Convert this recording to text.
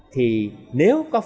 thì nếu có